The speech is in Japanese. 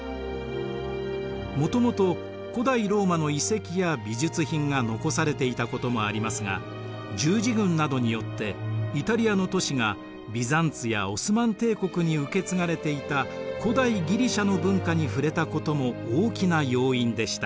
もともと古代ローマの遺跡や美術品が残されていたこともありますが十字軍などによってイタリアの都市がビザンツやオスマン帝国に受け継がれていた古代ギリシアの文化に触れたことも大きな要因でした。